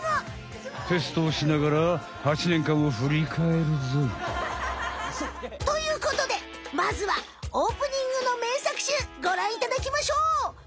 テストをしながら８ねんかんをふりかえるぞい！ということでまずはオープニングのめいさくしゅうごらんいただきましょう！